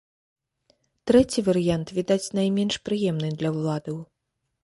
Трэці варыянт, відаць, найменш прыемны для ўладаў.